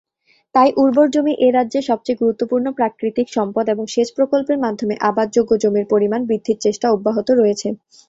তাই উর্বর জমি এ রাজ্যের সবচেয়ে গুরুত্বপূর্ণ প্রাকৃতিক সম্পদ, এবং সেচ প্রকল্পের মাধ্যমে আবাদযোগ্য জমির পরিমাণ বৃদ্ধির চেষ্টা অব্যাহত রয়েছে।